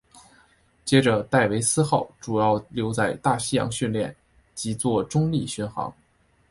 接着戴维斯号主要留在大西洋训练及作中立巡航。